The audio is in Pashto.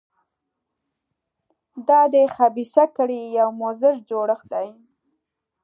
دا د خبیثه کړۍ یو مضر جوړښت دی.